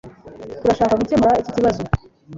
Turashaka gukemura iki kibazo